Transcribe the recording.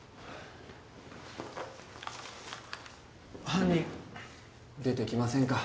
犯人出てきませんか？